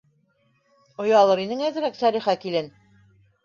-Оялыр инең әҙерәк, Сәлихә килен.